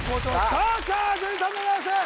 サーカー壽梨さんでございます